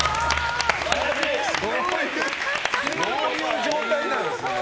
そういう状態なんですね。